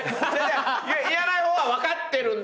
言わない方が分かってるんだけど。